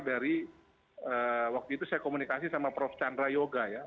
dari waktu itu saya komunikasi sama prof chandra yoga ya